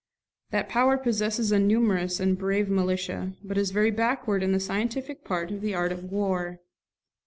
That power possesses a numerous and brave militia but is very backward in the scientific part of the art of war.